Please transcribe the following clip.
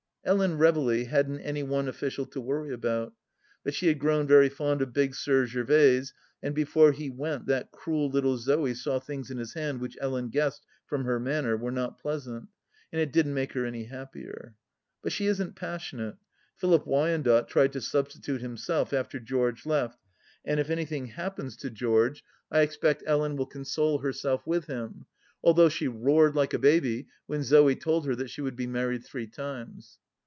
Ellen Reveley hadn't any one official to worry about, but she had grown very fond of Big Sir Gervaise, and before he went that cruel little Zoe saw things in his hand which Ellen guessed, from her manner, were not pleasant, and it didn't make her any happier. But she isn't passionate. Philip Wyandotte tried to substitute himself after George left, and if anything happens to George, 116 Tliifi LAST UITCH ~" I expect Ellen will console herself with him, although she roared like a baby when Zoe told her that she would be married three times.